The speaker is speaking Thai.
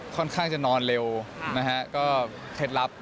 ค่อนข้างจะนอนเร็วนะฮะก็เคล็ดลับ